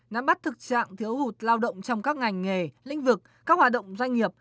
nắm bắt thực trạng thiếu hụt lao động trong các ngành nghề lĩnh vực các hoạt động doanh nghiệp